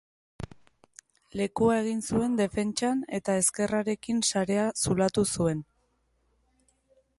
Lekua egin zuen defentsan eta ezkerrerakin sarea zulatu zuen.